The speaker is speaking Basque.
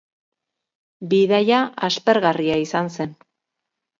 Bidaia aspergarria izan zen